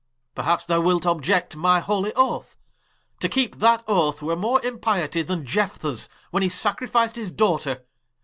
Perhaps thou wilt obiect my holy Oath: To keepe that Oath, were more impietie, Then Iephah, when he sacrific'd his Daughter.